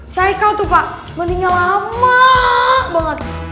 si aikal tuh pak mendingnya lama banget